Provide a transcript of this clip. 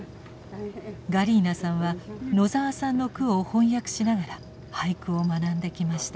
ガリーナさんは野澤さんの句を翻訳しながら俳句を学んできました。